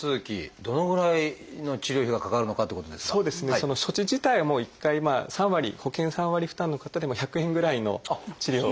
その処置自体は１回まあ３割保険３割負担の方でも１００円ぐらいの治療費。